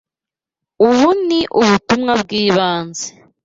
Ubu ni ubutumwa bwibanze.